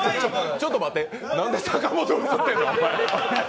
ちょっと待って、何で阪本映ってるの。